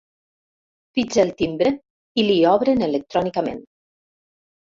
Pitja el timbre i li obren electrònicament.